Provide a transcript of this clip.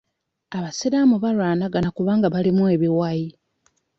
Abasiraamu balwanagana kubanga balimu ebiwayi.